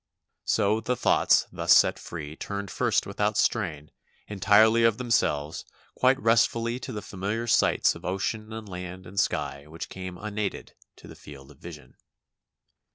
So the thoughts thus set free turned first without strain, entirely of themselves, quite restfully to the familiar sights of ocean and land and sky which came unaided to the field of vision.